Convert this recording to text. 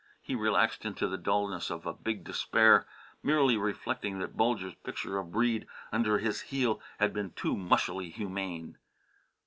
He relaxed into the dullness of a big despair, merely reflecting that Bulger's picture of Breede under his heel had been too mushily humane.